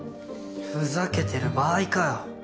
ふざけてる場合かよ。